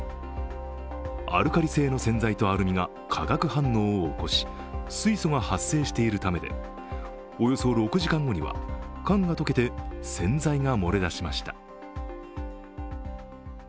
アルカリ性の洗剤とアルミが化学反応を起こし水素が発生しているためでおよそ６時間後には缶が溶けて洗剤が漏れ出しました。